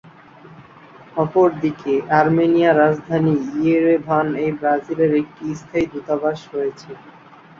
অপরদিকে, আর্মেনিয়ার রাজধানী ইয়েরেভান-এ ব্রাজিলের একটি স্থায়ী দূতাবাস রয়েছে।